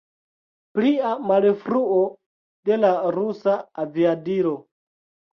Plia malfruo de la rusa aviadilo.